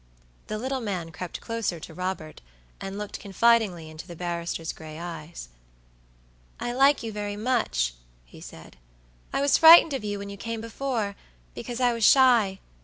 The little man crept closer to Robert, and looked confidingly into the barrister's gray eyes. "I like you very much," he said. "I was frightened of you when you came before, because I was shy.